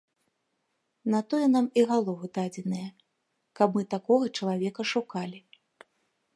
На тое нам і галовы дадзеныя, каб мы такога чалавека шукалі.